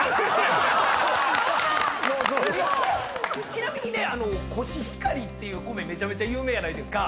ちなみにコシヒカリっていう米めちゃめちゃ有名やないですか。